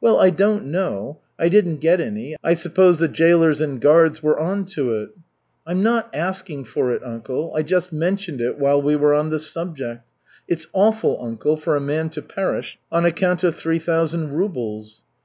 Well, I don't know, I didn't get any. I suppose the jailers and guards were on to it." "I'm not asking for it, uncle. I just mentioned it while we were on the subject. It's awful, uncle, for a man to perish on account of three thousand rubles."